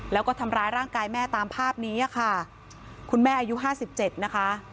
แล้วก็ทำร้ายร่างกายแม่ตามภาพนี้ค่ะคุณแม่อายุห้าสิบเจ็ดนะคะ